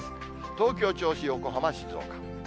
東京、銚子、横浜、静岡。